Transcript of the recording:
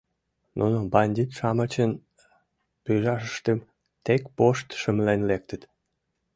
— Нуно бандит-шамычын пыжашыштым тек вошт шымлен лектыт.